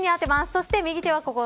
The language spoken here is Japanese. そして右手はここ。